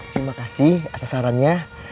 terima kasih atas sarannya